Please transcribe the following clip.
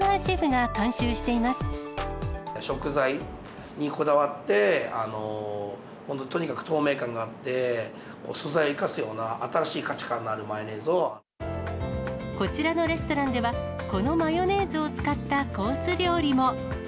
食材にこだわって、本当とにかく透明感があって、素材を生かすような、こちらのレストランでは、このマヨネーズを使ったコース料理も。